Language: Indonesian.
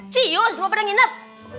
cius mau pada nginep